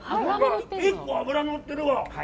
結構脂乗ってるわ。